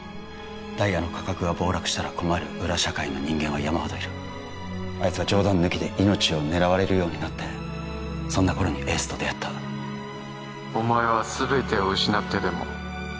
ダイヤの価格が暴落したら困る裏社会の人間は山ほどいるあいつは冗談抜きで命を狙われるようになってそんな頃にエースと出会ったお前はすべてを失ってでも